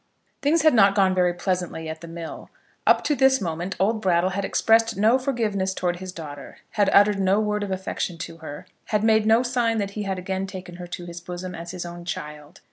Things had not gone very pleasantly at the mill. Up to this moment old Brattle had expressed no forgiveness towards his daughter, had uttered no word of affection to her, had made no sign that he had again taken her to his bosom as his own child.